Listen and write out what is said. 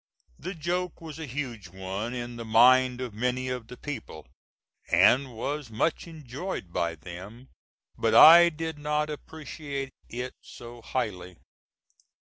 The joke was a huge one in the mind of many of the people, and was much enjoyed by them; but I did not appreciate it so highly.